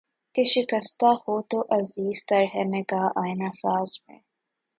کہ شکستہ ہو تو عزیز تر ہے نگاہ آئنہ ساز میں